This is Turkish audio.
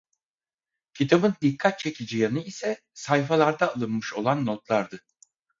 Kitabın dikkat çekici yanı ise sayfalarda alınmış olan notlardı.